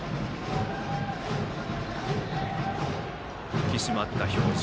引き締まった表情。